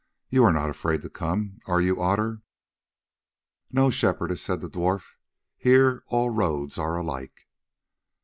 You are not afraid to come, are you, Otter?" "No, Shepherdess," said the dwarf. "Here all roads are alike."